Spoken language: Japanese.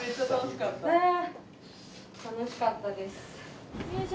楽しかったです。